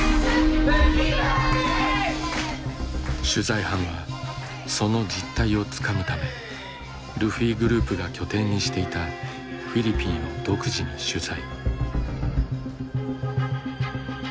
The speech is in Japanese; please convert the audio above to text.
取材班はその実態をつかむためルフィグループが拠点にしていたフィリピンを独自に取材。